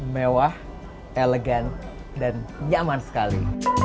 mewah elegan dan nyaman sekali